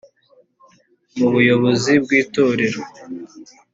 mu buyobozi bw’ itorero